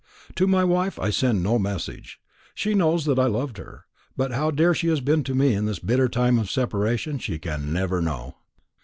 To my wife I send no message. She knows that I loved her; but how dear she has been to me in this bitter time of separation, she can never know.